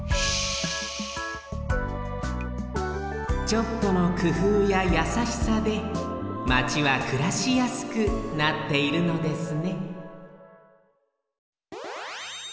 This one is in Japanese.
ちょっとのくふうややさしさでマチはくらしやすくなっているのですね